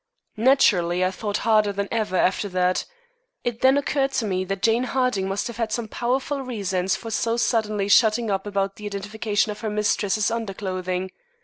"Naturally I thought harder than ever after that. It then occurred to me that Jane Harding must have had some powerful reasons for so suddenly shutting up about the identification of her mistress's underclothing.